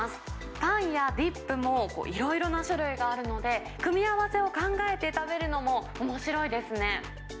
パンやディップもいろいろな種類があるので、組み合わせを考えて食べるのもおもしろいですね。